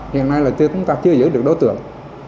hiện nay là chúng ta chưa giữ được đối tượng